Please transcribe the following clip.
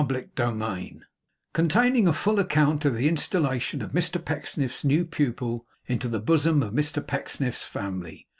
CHAPTER FIVE CONTAINING A FULL ACCOUNT OF THE INSTALLATION OF MR PECKSNIFF'S NEW PUPIL INTO THE BOSOM OF MR PECKSNIFF'S FAMILY.